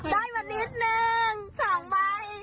ได้มานิดนึง๒ใบ